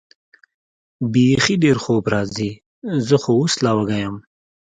بېخي ډېر خوب راځي، زه خو اوس لا وږی یم.